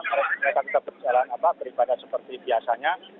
mereka tetap berjalan beribadah seperti biasanya